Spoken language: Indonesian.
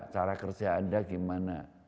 cara kerja anda gimana